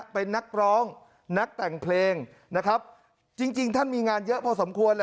เป็นนักร้องนักแต่งเพลงนะครับจริงท่านมีงานเยอะพอสมควร